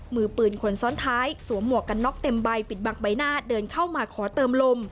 มือปืนคนซ้อนท้ายสวมหมวกกันน็อกเต็มใบปิดบังใบหน้าเดินเข้ามาขอเติมลม